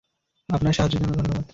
আপনার সাহায্যের জন্য ধন্যবাদ।